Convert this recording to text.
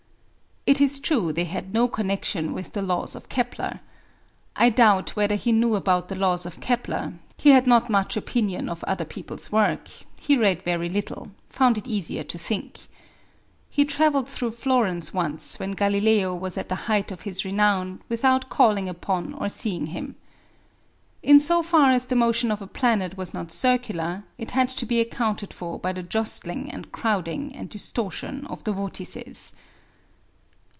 It is true they had no connexion with the laws of Kepler. I doubt whether he knew about the laws of Kepler; he had not much opinion of other people's work; he read very little found it easier to think. (He travelled through Florence once when Galileo was at the height of his renown without calling upon or seeing him.) In so far as the motion of a planet was not circular, it had to be accounted for by the jostling and crowding and distortion of the vortices.